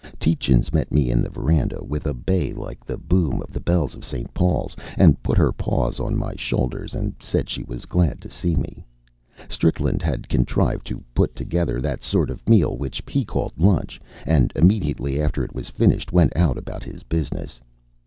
Tietjens met me in the veranda with a bay like the boom of the bells of St. Paul's, and put her paws on my shoulders and said she was glad to see me. Strickland had contrived to put together that sort of meal which he called lunch, and immediately after it was finished went out about his business.